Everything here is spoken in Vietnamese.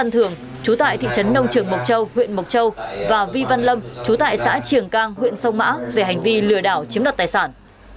thường trú tại thị trấn nông trường mộc châu huyện mộc châu và vi văn lâm chú tại xã triềng cang huyện sông mã về hành vi lừa đảo chiếm đoạt tài sản